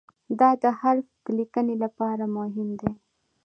د "د" حرف د لیکنې لپاره مهم دی.